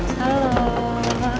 suara dari bunga